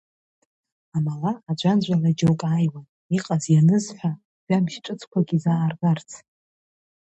Амала аӡәаӡәала џьоук ааиуан, иҟаз-ианыз ҳәа, жәабжь ҿыцқәак изааргарц.